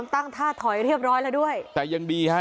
ตั้งท่าถอยเรียบร้อยแล้วด้วยแต่ยังดีฮะ